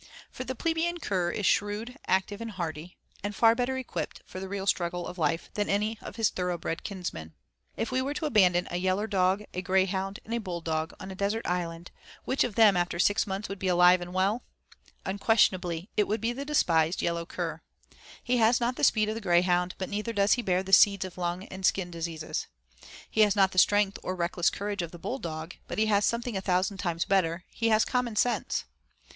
For the plebeian cur is shrewd, active, and hardy, and far better equipped for the real struggle of life than any of his 'thoroughbred' kinsmen. If we were to abandon a yaller dog, a greyhound, and a bulldog on a desert island, which of them after six months would be alive and well? Unquestionably it would be the despised yellow cur. He has not the speed of the greyhound, but neither does he bear the seeds of lung and skin diseases. He has not the strength or reckless courage of the bulldog, but he has something a thousand times better, he has common sense.